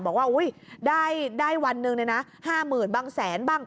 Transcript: บอกว่าอุ้ยได้ได้วันหนึ่งเลยน่ะห้ามืนบ้างแสนบ้าง